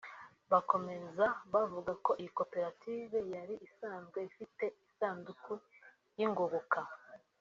Bakomeza bavuga ko iyi koperative yari isazwe ifite isanduku y’ingoboka